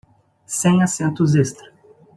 Sem assentos extra